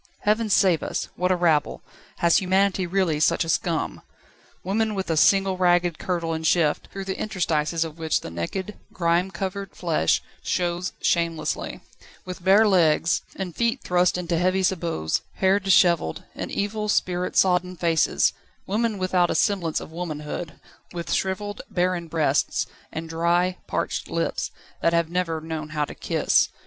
Heaven save us! What a rabble! Has humanity really such a scum? Women with a single ragged kirtle and shift, through the interstices of which the naked, grime covered flesh shows shamelessly: with bare legs, and feet thrust into heavy sabots, hair dishevelled, and evil, spirit sodden faces: women without a semblance of womanhood, with shrivelled, barren breasts, and dry, parched lips, that have never known how to kiss.